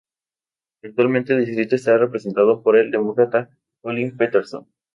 Actualmente el distrito está representado por el Demócrata Collin Peterson.